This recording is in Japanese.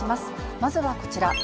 まずはこちら。